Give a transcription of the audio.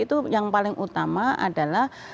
itu yang paling utama adalah